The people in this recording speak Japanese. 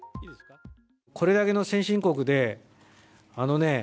これだけの先進国で、あのね、